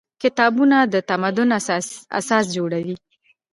کتابونه د تمدن اساس جوړوي.